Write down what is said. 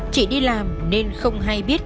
chị đi làm nên không hay biết